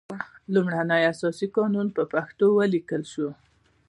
لومړنی اساسي قانون په پښتو ولیکل شول.